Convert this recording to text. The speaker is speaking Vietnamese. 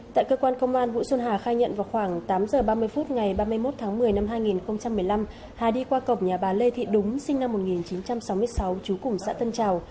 tại cơ quan công an vũ xuân hà khai nhận vào khoảng tám giờ ba mươi phút ngày ba mươi một tháng một mươi năm hai nghìn một mươi năm hà đi qua cọc nhà bà lê thị đúng sinh năm một nghìn chín trăm sáu mươi sáu trú cùng xã tân trào